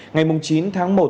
ngày chín tháng một